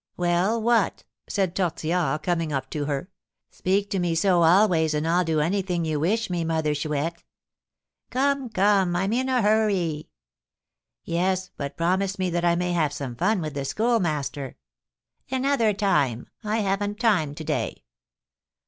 "Well, what?" said Tortillard, coming up to her. "Speak to me so always, and I'll do anything you wish me, Mother Chouette." "Come, come, I'm in a hurry!" "Yes; but promise me that I may have some fun with the Schoolmaster." "Another time; I haven't time to day."